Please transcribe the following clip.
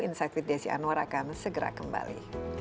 insight with desi anwar akan segera kembali